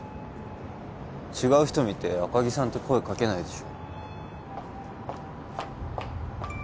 違う人見て赤木さんって声かけないでしょ